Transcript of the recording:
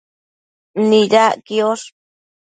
Nidac quiosh